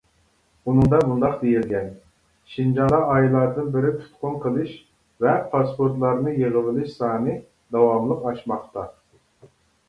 ئۇنىڭدا مۇنداق دېيىلگەن: شىنجاڭدا ئايلاردىن بېرى تۇتقۇن قىلىش ۋە پاسپورتلارنى يىغىۋېلىش سانى داۋاملىق ئاشماقتا.